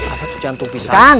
apa tuh jantung pisang